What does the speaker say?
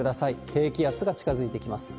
低気圧が近づいてきます。